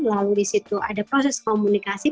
lalu di situ ada proses komunikasi